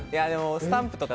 スタンプとか。